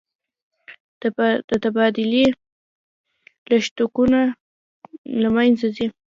د تبادلې لګښتونه له مینځه ځي.